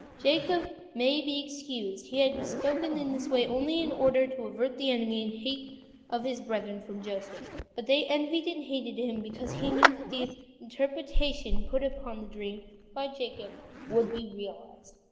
" Jacob may be excused, he had spoken in this way only in order to avert the envy and hate of his brethren from Joseph, but they envied and hated him because they knew that the interpretation put upon the dream by Jacob would be realized.